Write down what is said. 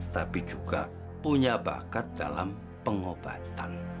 tapi juga punya bakat dalam pengobatan